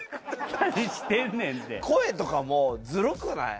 声とかもずるくない？